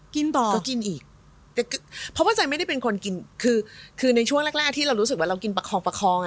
ก็กินอีกเพราะว่าสายไม่ได้เป็นคนกินคือในช่วงแรกที่เรารู้สึกว่าเรากินประคองอะ